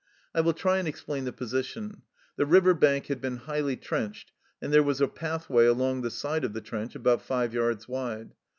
I will try and explain the position. The river bank had been highly trenched, and there was a pathway along the side of the trench, about five yards wide.